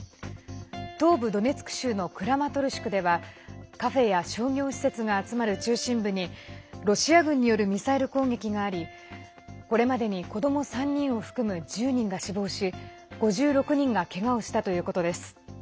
東部ドネツク州のクラマトルシクではカフェや商業施設が集まる中心部にロシア軍によるミサイル攻撃がありこれまでに子ども３人を含む１０人が死亡し５６人がけがをしたということです。